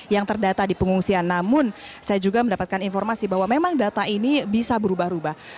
yang terdata di pengungsian namun saya juga mendapatkan informasi bahwa memang data ini bisa berubah ubah